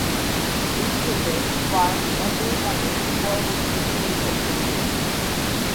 দুটি দেশের ফার্ম একই নামে পরবর্তীতে পরিচালিত হতে থাকে।